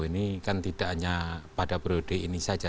ini kan tidak hanya pada periode ini saja